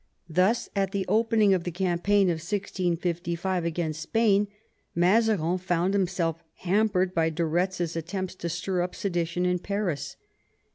Thus, at the opening of the campaign of 1655 against Spain, Mazarin found himself hampered by de Retz's attempts to stir up sedition in Paris.